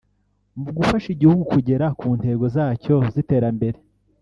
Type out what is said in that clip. mu gufasha igihugu kugera ku ntego zacyo z’iterambere